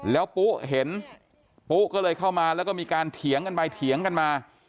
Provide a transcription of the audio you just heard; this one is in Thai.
แล้วปุ๊เห็นปุ๊ก็เลยเข้ามาแล้วก็มีการเถียงกันไปเถียงกันมา